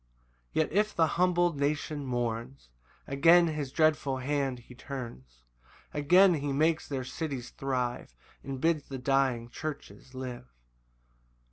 7 Yet if the humbled nation mourns, Again his dreadful hand he turns; Again he makes their cities thrive, And bids the dying churches live.